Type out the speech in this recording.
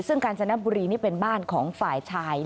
ซึ่งกาญจนบุรีนี่เป็นบ้านของฝ่ายชาย